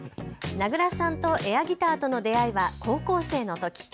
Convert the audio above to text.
名倉さんとエアギターとの出会いは高校生のとき。